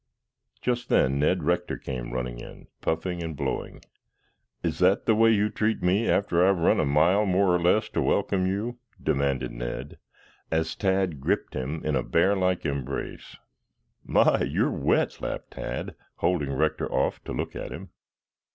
Just then Ned Rector came running in, puffing and blowing. "Is that the way you treat me after I have run a mile more or less to welcome you?" demanded Ned, as Tad gripped him in a bear like embrace. "My, you're wet!" laughed Tad, holding Rector off to look at him.